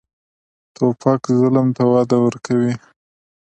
توپک ظلم ته وده ورکوي.